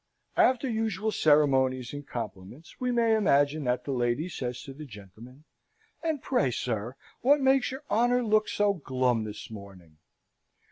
After usual ceremonies and compliments we may imagine that the lady says to the gentleman: "And pray, sir, what makes your honour look so glum this morning?"